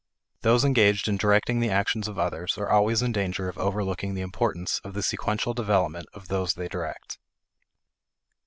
Those engaged in directing the actions of others are always in danger of overlooking the importance of the sequential development of those they direct.